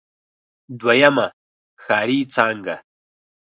دويمه ښاري څانګه.